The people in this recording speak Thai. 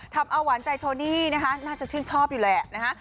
ทำเอาหวานใจโทนี่นะคะน่าจะชื่นชอบอยู่แหละนะคะ